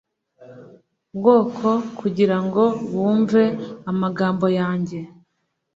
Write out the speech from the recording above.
bwoko kugira ngo bumve amagambo yanjye